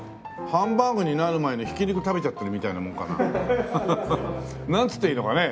ハンバーグになる前のひき肉食べちゃってるみたいなもんかな？なんて言ったらいいのかね？